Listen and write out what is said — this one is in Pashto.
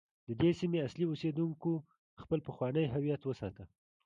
د دې سیمې اصلي اوسیدونکو خپل پخوانی هویت وساته.